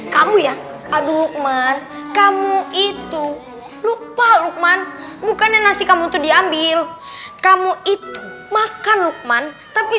kamu ya aduh lukman kamu itu lupa lukman bukannya nasi kamu itu diambil kamu itu makan lukman tapi